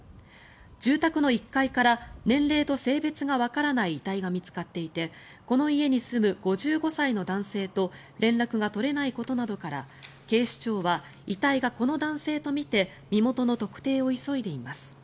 住宅の１階から年齢と性別がわからない遺体が見つかっていてこの家に住む５５歳の男性と連絡が取れないことなどから警視庁は遺体がこの男性とみて身元の特定を急いでいます。